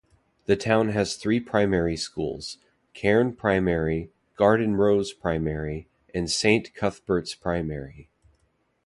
The town has three primary schools: Cairn Primary, Gardenrose Primary and Saint Cuthberts Primary.